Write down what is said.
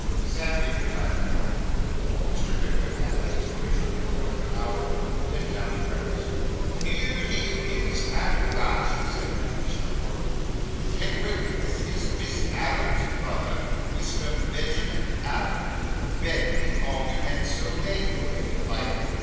Sam did retire accordingly. Mr. Pickwick at the expiration of the quarter of an hour, went down to breakfast. 'Here he is at last!' said old Mr. Wardle. 'Pickwick, this is Miss Allen's brother, Mr. Benjamin Allen. Ben we call him, and so may you, if you like.